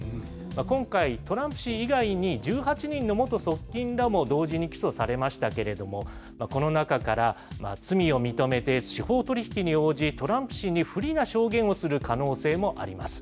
今回、トランプ氏以外に、１８人の元側近らも同時に起訴されましたけれども、この中から罪を認めて司法取引に応じ、トランプ氏に不利な証言をする可能性もあります。